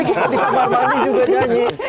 sekarang di kamar mandi juga nyanyi